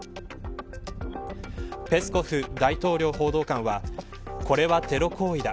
ペスコフ大統領報道官はこれはテロ行為だ。